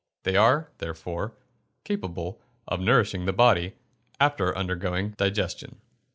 They are, therefore, capable of nourishing the body, after undergoing digestion.